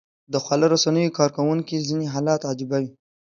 خواله رسنیو کاروونکو ځینې حالات عجيبه وي